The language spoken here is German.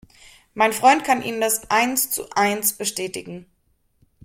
Mein Freund kann Ihnen das eins zu eins bestätigen.